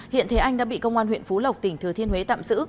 hiện thế anh đã bị công an huyện phú lộc tỉnh thừa thiên huế tạm giữ